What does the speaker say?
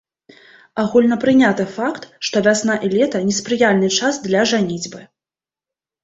Агульнапрыняты факт, што вясна і лета неспрыяльны час для жаніцьбы.